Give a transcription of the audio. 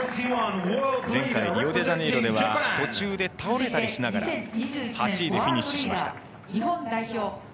前回リオデジャネイロでは途中で倒れたりしながら８位でフィニッシュしました。